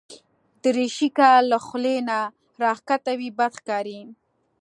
دریشي که له خولې نه راښکته وي، بد ښکاري.